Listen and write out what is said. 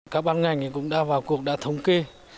các ban ngành cũng đã vào cuộc đã thống kê